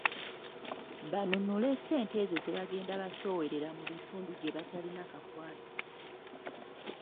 Banunule ssente ezo zebagenda basowerera mu bitundu gyebatalina kakwate